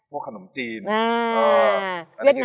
พวกขนมจีน